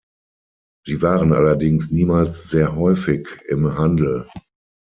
Sie waren allerdings niemals sehr häufig im Handel.